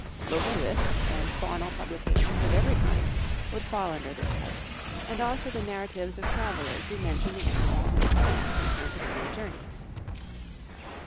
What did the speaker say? Local lists and faunal publications of every kind would fall under this head, and also the narratives of travelers who mention the animals and plants encountered in their journeys.